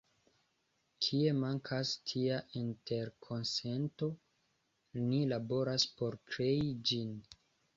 Kie mankas tia interkonsento, ni laboras por krei ĝin.